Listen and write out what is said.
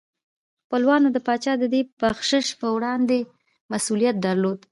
خپلوانو د پاچا د دې بخشش په وړاندې مسؤلیت درلود.